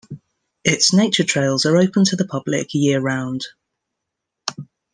Its nature trails are open to the public year-round.